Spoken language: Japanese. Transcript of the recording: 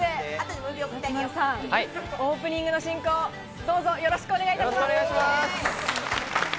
松丸さん、オープニングの進行、どうぞよろしくお願いします。